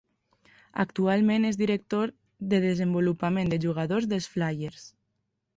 Actualment és director de desenvolupament de jugadors dels Flyers.